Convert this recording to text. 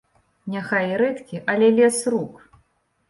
Няхай і рэдкі, але лес рук.